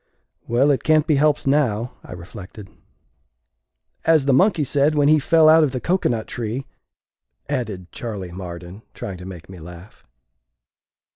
"Well, it can't be helped now," I reflected. " As the monkey said when he fell out of the cocoanut tree," added Charley Marden, trying to make me laugh.